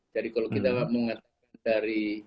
jadi kalau kita mengatakan dari